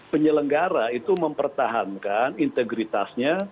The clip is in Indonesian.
penyelenggara itu mempertahankan integritasnya